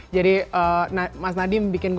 jadi mas nadiem bikin gue